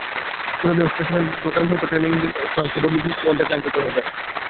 পোড়াদহ স্টেশনে ঢোকার মুহূর্তে ট্রেনের ইঞ্জিনসহ একটি বগি অর্ধেক লাইনচ্যুত হয়।